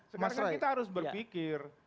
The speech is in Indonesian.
sekarang kita harus berpikir